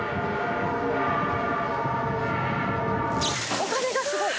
・お金がすごい。